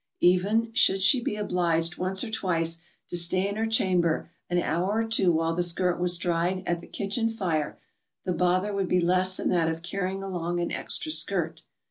Even should she be obliged once or twice to stay in her chamber an /hour or two while the skirt was dried at the .kitchen fire, the bother would be less than that of carrying along an extra skirt.